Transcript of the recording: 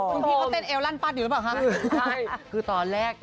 กลุ่มนี้เขาเต้นเอวลั่นปรัสอยู่หรือเปล่าครับ